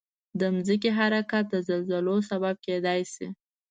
د ځمکې حرکت د زلزلو سبب کېدای شي.